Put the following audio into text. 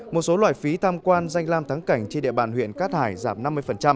một số loại phí tham quan danh lam thắng cảnh trên địa bàn huyện cát hải giảm năm mươi